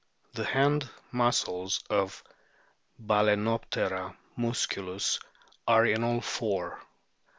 The hand muscles of Bal&noptera musculus are in all four.